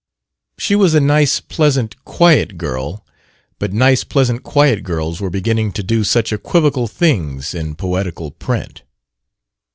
She was a nice pleasant quiet girl; but nice pleasant quiet girls were beginning to do such equivocal things in poetical print!